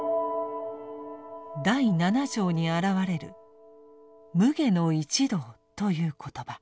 第七条に現れる「無礙の一道」という言葉。